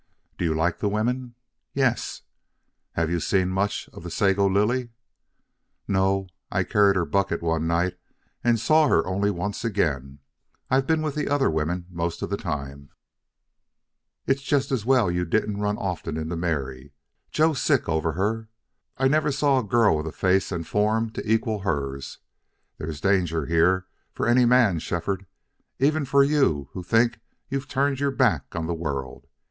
"Do you like the women?" "Yes." "Have you seen much of the Sago Lily?" "No. I carried her bucket one night and saw her only once again. I've been with the other women most of the time." "It's just as well you didn't run often into Mary. Joe's sick over her. I never saw a girl with a face and form to equal hers. There's danger here for any man, Shefford. Even for you who think you've turned your back on the world!